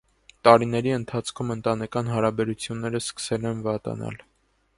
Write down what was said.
Տարիների ընթացքում ընտանեկան հարաբերությունները սկսեել են վատանալ։